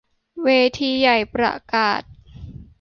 เวทีใหญ่ประกาศ